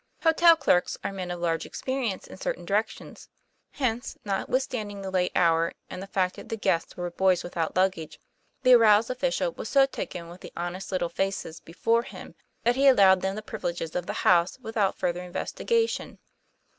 Hotel clerks are men of large experi ence in certain directions; hence, notwithstanding the late hour, and the fact that the guests were boys without luggage, the aroused official was so taken with the honest little faces before him that he allowed them the privileges of the house without further investigation.